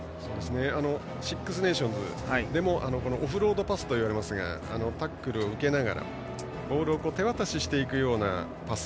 シックス・ネーションズでもオフロードパスといいますがタックルを受けながらボールを手渡ししていくようなパス。